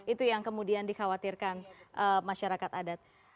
itu yang kemudian dikhawatirkan masyarakat adat